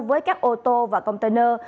với các ô tô và container